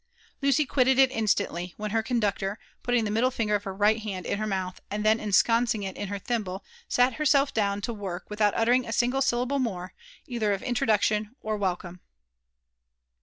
Lucy quitted it instantly ; whenher conductor, putting the middle finger of her right hand in her mouth, and then ensconcing it in her thiml)le, sat fierself down lo work, with out uttering a single syllable more, either of introductioB or' wel come.